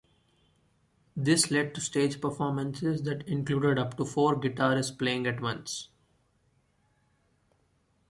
This led to stage performances that included up to four guitarists playing at once.